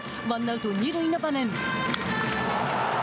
ワンアウト、二塁の場面。